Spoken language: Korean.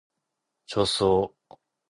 좋소.